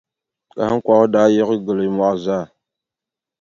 Kahiŋkɔɣu daa yiɣi gili mɔɣu zaa.